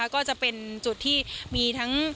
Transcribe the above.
ก็จะเป็นจุดที่มีทั้ง